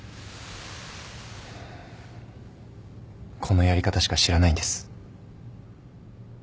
このやり方しか知らないんです。